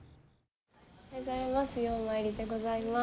おはようございます。